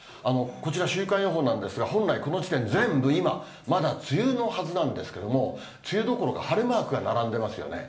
こちら週間予報なんですが、本来、この地点、今、全部、まだ梅雨のはずなんですけれども、梅雨どころか晴れマークが並んでますよね。